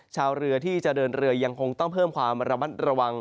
ชาวเรือที่จะเดินเรือยังคงต้องเพิ่มความระมัดระวัง